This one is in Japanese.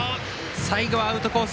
最後はアウトコース